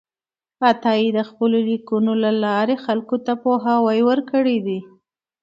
عطایي د خپلو لیکنو له لارې خلکو ته پوهاوی ورکړی دی.